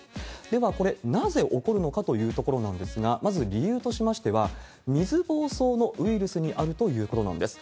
では、これ、なぜ起こるのかというところなんですが、まず理由としましては、水ぼうそうのウイルスにあるということなんです。